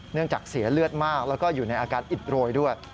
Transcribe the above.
เนื่องจากเสียเลือดมากแล้วก็อยู่ในอาการอิดโรยด้วย